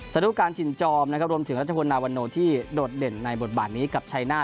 สรุปการถิ่นจอมนะครับรวมถึงรัฐพลนาวันโนที่โดดเด่นในบทบาทนี้กับชัยหน้า